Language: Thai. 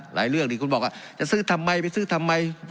เรื่องที่คุณบอกว่าจะซื้อทำไมไปซื้อทำไม